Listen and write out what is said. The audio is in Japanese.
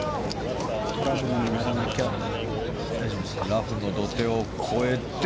ラフ、土手を越えて。